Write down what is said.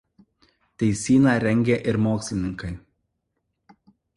Teisyną rengė ir mokslininkai.